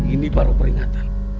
ini baru peringatan